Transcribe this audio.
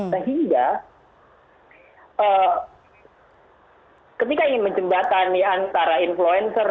sehingga ketika ingin menjembatani antara influencer